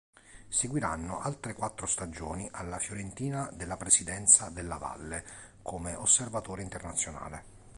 Seguiranno altre quattro stagioni alla Fiorentina della presidenza Della Valle come osservatore internazionale.